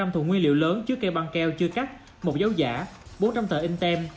một ba trăm linh thùng nguyên liệu lớn chứa keo băng keo chưa cắt một dấu giả bốn trăm linh tờ in tem